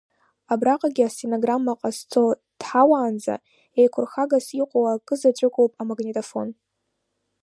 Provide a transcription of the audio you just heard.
Абраҟагьы астенограмма ҟазҵо дҳауаанӡа еиқәырхагас иҟоу акы заҵәыкоуп амагнитофон.